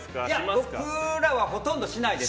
僕らはほとんどしないです。